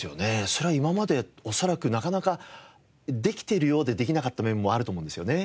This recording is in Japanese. それは今まで恐らくなかなかできてるようでできなかった面もあると思うんですよね。